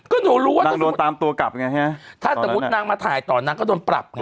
ก็หนูรู้ว่าต้องโดนตามตัวกลับไงฮะถ้าสมมุตินางมาถ่ายต่อนางก็โดนปรับไง